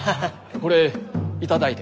これ頂いても？